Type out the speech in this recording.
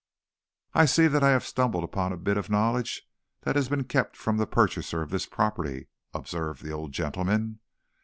"I see that I have stumbled upon a bit of knowledge that has been kept from the purchasers of this property," observed the old gentleman.